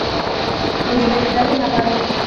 Universidad de Navarra.